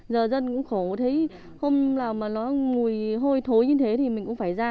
giờ dân cũng khổ thấy hôm nào mà nó mùi hôi thối như thế thì mình cũng phải ra